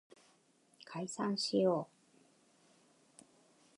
解散しよう